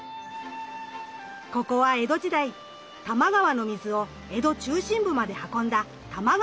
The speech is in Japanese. ここは江戸時代多摩川の水を江戸中心部まで運んだ玉川上水の起点。